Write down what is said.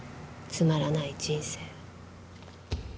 「つまらない人生」